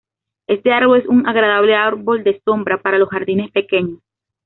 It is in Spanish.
Este árbol es un agradable árbol de sombra para los jardines pequeños.